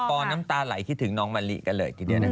ปนน้ำตาไหลคิดถึงน้องวันนี้กันเลย